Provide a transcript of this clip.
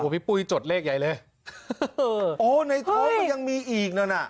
พี่ปุ๊ยจดเลขใหญ่เลยฮัฮะโอ้ในโทมันยังมีอีกนู่นอ่ะ